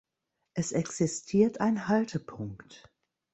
Es existiert ein Haltepunkt.